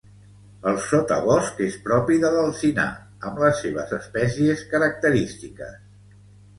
El sotabosc és propi de l'alzinar, amb les seves espècies característiques.